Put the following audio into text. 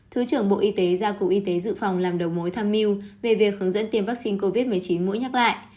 thứ trưởng bộ y tế giao cục y tế dự phòng làm đầu mối tham mưu về việc hướng dẫn tiêm vaccine covid một mươi chín mũi nhắc lại